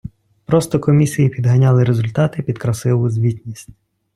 Просто комісії підганяли результати під красиву звітність.